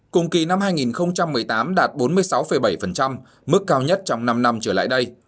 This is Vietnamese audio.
cùng kỳ năm hai nghìn một mươi tám đạt bốn mươi sáu bảy mức cao nhất trong năm năm trở lại đây